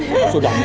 min min sudah min